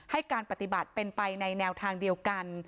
ให้การปฏิบัติเป็นไปในแนวทางเดียวกัน